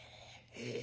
ええ？